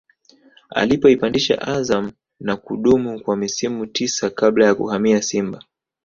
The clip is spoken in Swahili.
alipoipandisha Azam na kudumu kwa misimu tisa kabla ya kuhamia Simba